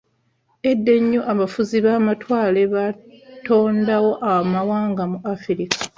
Edda ennyo, abafuzi b'amatwale baatondawo amawanga mu Afirika.